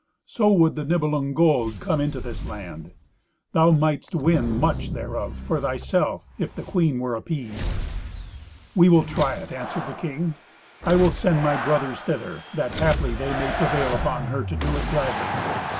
So would the Nibelung gold come into this land. Thou mightest win much thereof for thyself, if the queen were appeased." "We will try it," answered the king. "I will send my brothers thither, that haply they may prevail upon her to do it gladly."